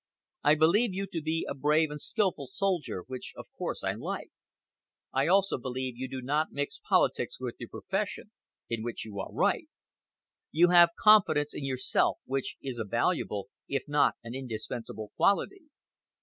I believe you to be a brave and skilful soldier, which, of course, I like. I also believe you do not mix politics with your profession, in which you are right. You have confidence in yourself, which is a valuable, if not an indispensable quality.